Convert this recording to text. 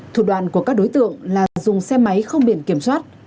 thủ đoàn của các đối tượng là dùng xe máy không biển kiểm soát